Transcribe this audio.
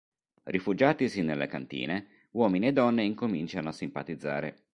Rifugiatisi nelle cantine, uomini e donne incominciano a simpatizzare.